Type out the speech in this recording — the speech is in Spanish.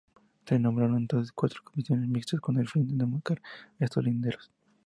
Se nombraron entonces cuatro comisiones mixtas con el fin de demarcar estos linderos.